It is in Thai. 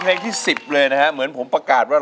ให้ร้องให้ร้อง